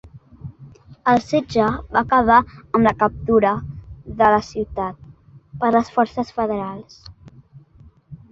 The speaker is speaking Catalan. El setge va acabar amb la captura de la ciutat per les forces federals.